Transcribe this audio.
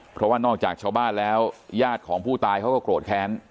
เพราะว่านอกจากชาวบ้านแล้วญาติของผู้ตายเขาก็โกรธแค้น